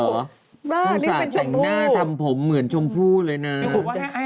นี่เป็นชงผู้ลูกสาวแข่งหน้าทำผมเหมือนชงผู้เลยนะ